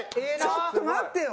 ちょっと待ってよ！